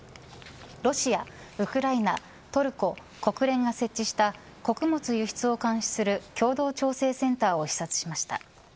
ロシア、ウクライナトルコ、国連が設置した穀物輸出を監視する共同調整センターを視察しました。